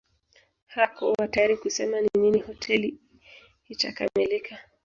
Hakuwa tayari kusema ni lini hoteli hiyo itakamilika